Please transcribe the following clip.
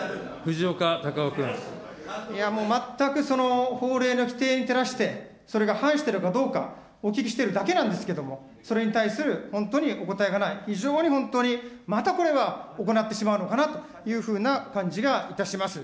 いやもう、全くその法令の規定に照らして、それが反してるかどうか、お聞きしてるだけなんですけども、それに対する本当にお答えがない、非常に本当にまたこれは行ってしまうのかなというふうな感じがいたします。